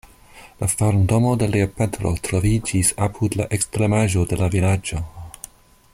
La farmdomo de lia patro troviĝis apud la ekstremaĵo de la vilaĝo.